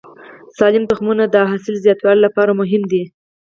سالم تخمونه د حاصل زیاتوالي لپاره مهم دي.